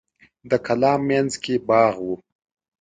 د کلا مینځ کې باغ و.